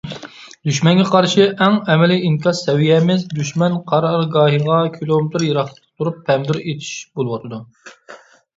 دۈشمەنگە قارشى ئەڭ ئەمەلىي ئىنكاس سەۋىيەمىز دۈشمەن قارارگاھىغا كىلومېتىر يىراقلىقىدا تۇرۇپ «پەمىدۇر ئېتىش» بولۇۋاتىدۇ.